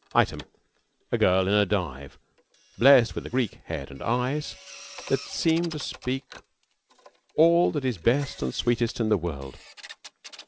Item, a girl in a "dive," blessed with a Greek head and eyes, that seem to speak all that is best and sweetest in the world.